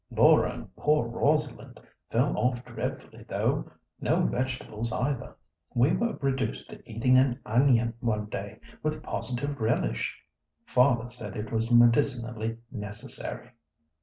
Laura and poor Rosalind fell off dreadfully, though. No vegetables either. We were reduced to eating an onion one day with positive relish. Father said it was medicinally necessary."